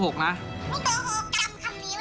ไม่โกหกจำคำนี้ไว้เลย